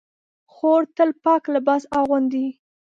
خور تل پاک لباس اغوندي.